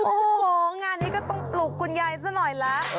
โอ้โหงานนี้ก็ต้องปลุกคุณยายซะหน่อยละ